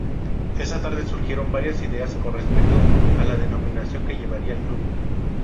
Esa tarde surgieron varias ideas con respecto a la denominación que llevaría el club.